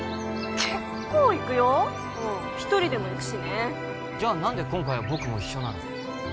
結構行くようん１人でも行くしねじゃあ何で今回は僕も一緒なの？